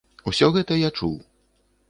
Усё гэта я чуў.